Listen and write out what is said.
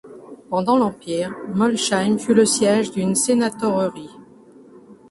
Pendant l'empire, Molsheim fut le siège d'une sénatorerie.